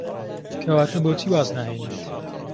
کەواتە بۆچی واز ناهێنیت؟